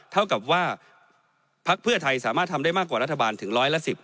เท่ากับว่าพักเพื่อไทยสามารถทำได้มากกว่ารัฐบาลถึงร้อยละ๑๐